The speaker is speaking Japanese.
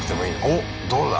おっどれだ？